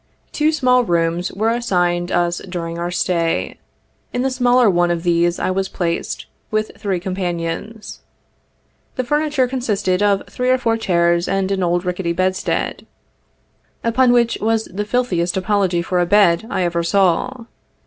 Two small rooms were assigned us during our stay. In the smaller one of these I was placed, with three companions. The furniture consisted of three or four chairs and an old ricketty bedstead, upon which was the filthiest apology for a bed I ever saw.